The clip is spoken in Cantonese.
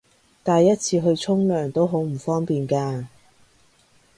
帶一次去沖涼都好唔方便㗎